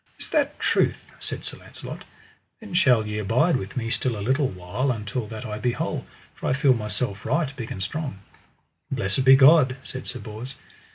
Is that truth? said Sir Launcelot; then shall ye abide with me still a little while until that I be whole, for I feel myself right big and strong. Blessed be God, said Sir Bors.